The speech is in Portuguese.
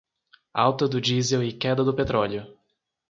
Alta do diesel e queda do petróleo